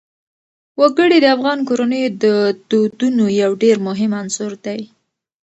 وګړي د افغان کورنیو د دودونو یو ډېر مهم عنصر دی.